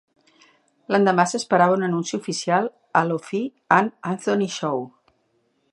L'endemà s'esperava un anunci oficial a l'Opie and Anthony Show.